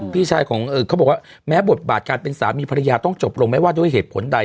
พี่ชายของเขาบอกว่าแม้บทบาทการเป็นสามีภรรยาต้องจบลงไม่ว่าด้วยเหตุผลใด